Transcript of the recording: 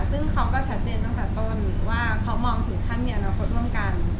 ซึ่งเขาก็ชัดเจนตั้งแต่ต้นว่าเขามองถึงขั้นมีอนาคตร่วมกัน